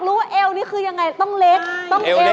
หูว่าเอวนี่คือยังไงต้องเล็กร์เอวหนา